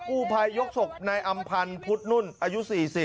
กู้ภัยยกศพนายอำพันธ์พุทธนุ่นอายุ๔๐